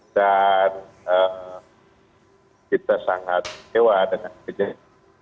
dan kita sangat kewa dengan kerja ini